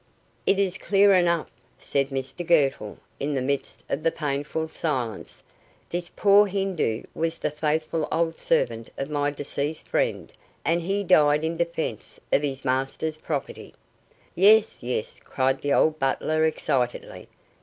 "It is clear enough," said Mr Girtle, in the midst of the painful silence. "This poor Hindoo was the faithful old servant of my deceased friend, and he died in defence of his master's property." "Yes, yes," cried the old butler, excitedly.